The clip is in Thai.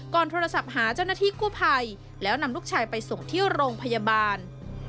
โทรศัพท์หาเจ้าหน้าที่กู้ภัยแล้วนำลูกชายไปส่งที่โรงพยาบาล